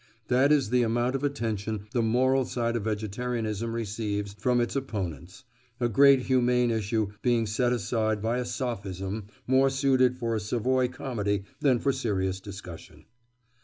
That is the amount of attention the moral side of vegetarianism receives from its opponents, a great humane issue being set aside by a sophism more suited for a Savoy comedy than for serious discussion.